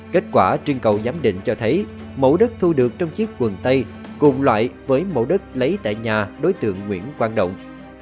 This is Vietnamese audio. kết quả trưng cầu giám định cho thấy mẫu đất thu được trong chiếc quần tây cùng loại với mẫu đất lấy tại nhà đối tượng nguyễn quang động